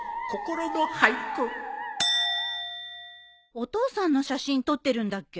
お父さんの写真撮ってるんだっけ。